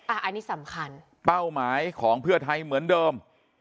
อันนี้สำคัญเป้าหมายของเพื่อไทยเหมือนเดิม